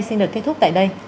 xin được kết thúc tại đây